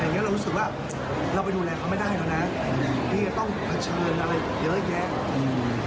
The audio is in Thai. เรารู้สึกว่าเราไปดูแลเขาไม่ได้แล้วนะที่จะต้องเผชิญอะไรเยอะแยะอืม